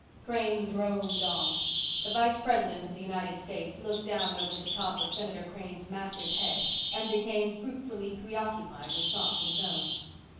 Crane droned on. The Vice President of the United States looked down on the top of Senator Crane's massive head and became fruitfully preoccupied with thoughts of his own.